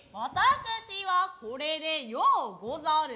私はこれでようござる。